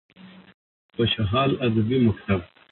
خوشحال ادبي مکتب: